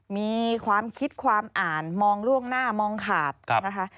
มีความคิดความอ่านมองล่วงหน้ามองขาดนะคะ